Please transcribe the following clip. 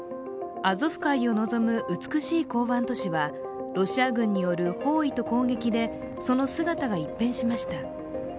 アゾフ海を望む美しい港湾都市はロシア軍による包囲と攻撃でその姿が一変しました。